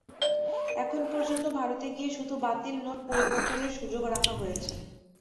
এখন পর্যন্ত ভারতে গিয়ে শুধু বাতিল নোট পরিবর্তনের সুযোগ রাখা হয়েছে।